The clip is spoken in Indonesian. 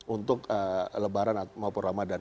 untuk lebaran maupun ramadhan